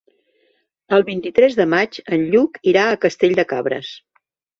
El vint-i-tres de maig en Lluc irà a Castell de Cabres.